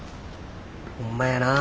ホンマやな。